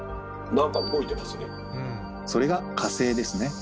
それが火星ですね。